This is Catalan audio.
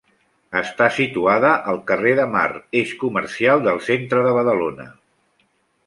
Està situada al carrer de Mar, eix comercial del centre de Badalona.